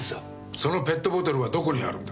そのペットボトルはどこにあるんだ？